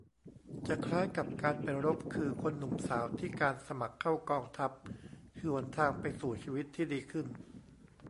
จะคล้ายกับการไปรบ คือ "คนหนุ่มสาว" ที่การสมัครเข้ากองทัพคือหนทางไปสู่ชีวิตที่ดีขึ้น